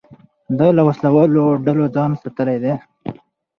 ده له وسلهوالو ډلو ځان ساتلی دی.